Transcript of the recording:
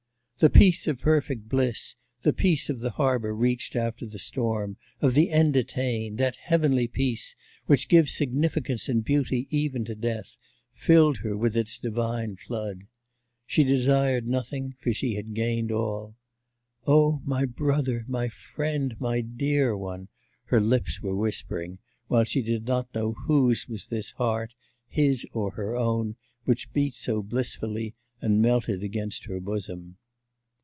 The peace of perfect bliss, the peace of the harbour reached after storm, of the end attained, that heavenly peace which gives significance and beauty even to death, filled her with its divine flood. She desired nothing, for she had gained all. 'O my brother, my friend, my dear one!' her lips were whispering, while she did not know whose was this heart, his or her own, which beat so blissfully, and melted against her bosom.